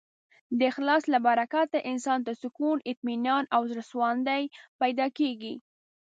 د اخلاص له برکته انسان ته سکون، اطمینان او زړهسواندی پیدا کېږي.